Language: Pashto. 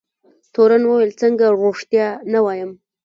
تورن وویل څنګه رښتیا نه وایم.